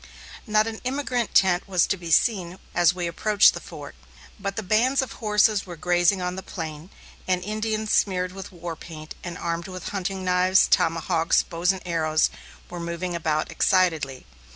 Not an emigrant tent was to be seen as we approached the fort, but bands of horses were grazing on the plain, and Indians smeared with war paint, and armed with hunting knives, tomahawks, bows and arrows, were moving about excitedly.